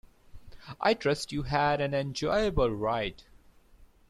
I trust you had an enjoyable ride.